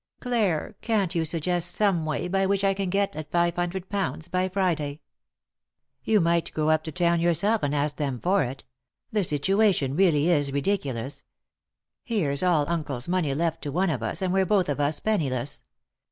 "Clare, can't you suggest some way by which I can get at five hundred pounds by Friday ?" 200 3i 9 iii^d by Google THE INTERRUPTED KISS "You might go up to town yourself and ask them for it The situation really is ridiculous. Here's all uncle's money left to one of us, and we're both of us penniless.